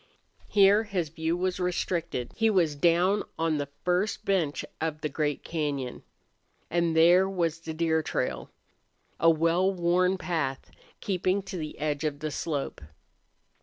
Here his view was restricted. He was down on the first bench of the great cañon. And there was the deer trail, a well worn path keeping to the edge of the slope.